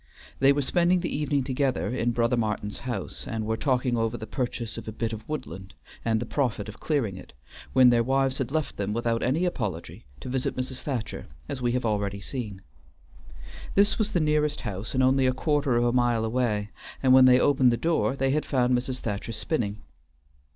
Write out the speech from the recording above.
They were spending the evening together in brother Martin's house, and were talking over the purchase of a bit of woodland, and the profit of clearing it, when their wives had left them without any apology to visit Mrs. Thacher, as we have already seen. This was the nearest house and only a quarter of a mile away, and when they opened the door they had found Mrs. Thacher spinning.